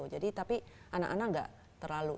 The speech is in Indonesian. jadi tapi anak anak enggak terlalu